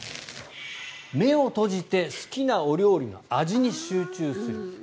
目を閉じて好きなお料理の味に集中する。